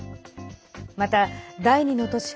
また、第２の都市